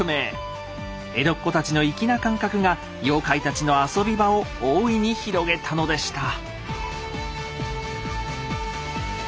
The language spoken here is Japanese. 江戸っ子たちの粋な感覚が妖怪たちの遊び場を大いに広げたのでした。